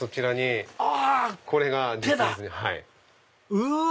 うわ！